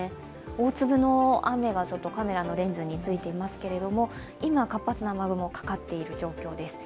大粒の雨がカメラのレンズについていますけど今、活発な雨雲がかかっている状況です。